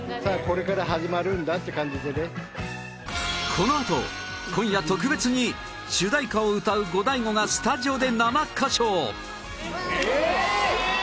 このあと今夜、特別に主題歌を歌うゴダイゴがスタジオで生歌唱ええー！